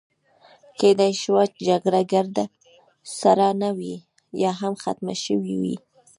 کیدای شوه جګړه ګرد سره نه وي، یا هم ختمه شوې وي.